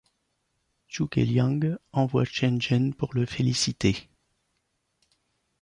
Zhuge Liang envoie Chen Zhen pour le féliciter.